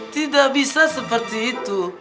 tidak bisa seperti itu